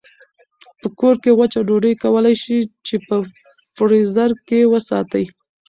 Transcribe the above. په کور کې وچه ډوډۍ کولای شئ چې په فریزر کې وساتئ.